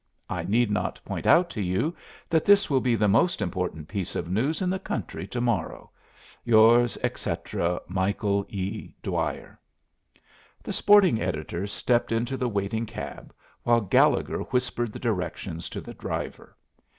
I need not point out to you that this will be the most important piece of news in the country to morrow. Yours, etc., Michael E. Dwyer. The sporting editor stepped into the waiting cab, while Gallegher whispered the directions to the driver.